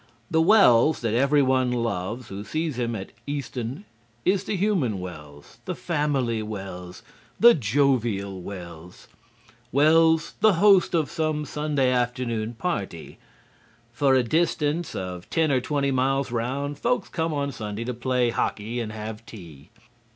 "The Wells that everyone loves who sees him at Easton is the human Wells, the family Wells, the jovial Wells, Wells the host of some Sunday afternoon party. For a distance of ten or twenty miles round folks come on Sunday to play hockey and have tea.